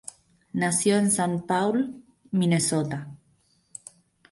Nació en Saint Paul, Minnesota.